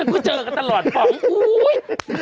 ก็เจอกันตลอดป๋อมอุ๊ย